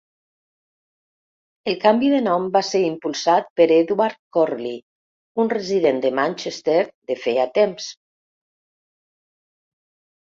El canvi de nom va ser impulsat per Edward Corley, un resident de Manchester de feia temps.